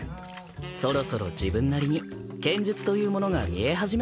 そろそろ自分なりに剣術というものが見え始めるころでござる。